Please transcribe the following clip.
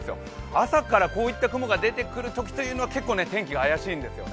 朝からこういった雲が出てくるときというのは天気が怪しいんですよ。